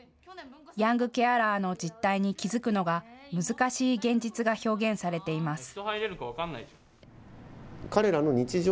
ヤングケアラーの実態に気付くのが難しい現実が表現されています。